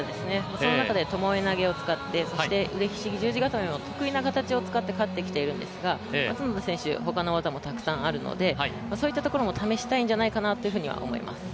その中でともえ投げを使ってそして腕ひしぎ十字固めも得意な形を使って勝ってきているのですが、角田選手、他に得意な技もあるのでそういったところも試したいんじゃないかなと思います。